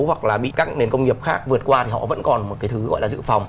hoặc là bị các nền công nghiệp khác vượt qua thì họ vẫn còn một cái thứ gọi là dự phòng